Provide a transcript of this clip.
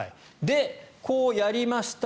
こうやりました